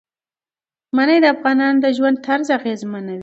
منی د افغانانو د ژوند طرز اغېزمنوي.